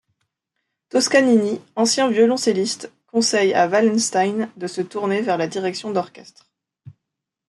Toscanini, ancien violoncelliste, conseille à Wallenstein de se tourner vers la direction d'orchestre.